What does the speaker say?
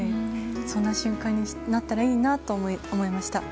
そんな瞬間になったらいいなと思いました。